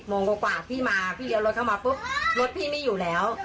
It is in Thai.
ประมาณ๑๐โมงกว่าพี่มาพี่เอารถเข้ามาปุ๊บรถพี่ไม่อยู่แล้ว